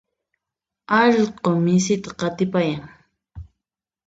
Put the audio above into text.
allqu misita qatipayan.